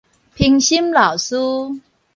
評審老師